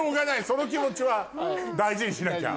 その気持ちは大事にしなきゃ。